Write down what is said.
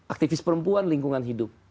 aktivis perempuan lingkungan hidup